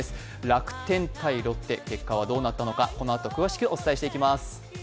楽天×ロッテ、結果はどうなったのかこのあと詳しくお伝えしていきます。